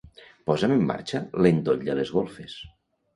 Posa'm en marxa l'endoll de les golfes.